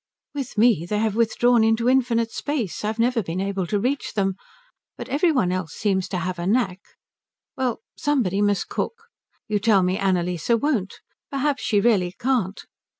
With me they have withdrawn into infinite space I've never been able to reach them. But every one else seems to have a knack well, somebody must cook. You tell me Annalise won't. Perhaps she really can't.